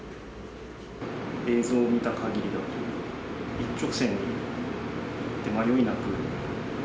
映像見たかぎりだと、一直線に迷いなく。